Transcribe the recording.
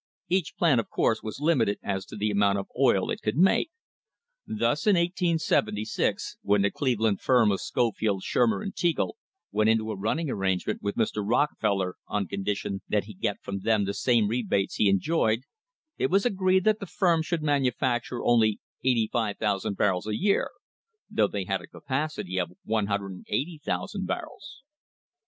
Each plant, of course, was limited as to the amount of oil it could make. Thus, in 1876, when the Cleveland firm of Scofield, Shurmer and Teagle went into a running arrangement with Mr. Rocke feller on condition that he get for them the same rebates he enjoyed, it was agreed that the firm should manufacture only 85,000 barrels a year, though they had a capacity of 180,000 barrels.